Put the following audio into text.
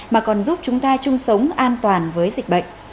mà còn giúp chúng ta chung sống an toàn với dịch bệnh